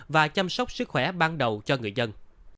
và chăm sóc sức khỏe ban đầu cho người dân